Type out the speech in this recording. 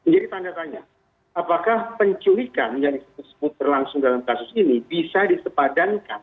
jadi tanda tanya apakah penculikan yang tersebut berlangsung dalam kasus ini bisa disepadankan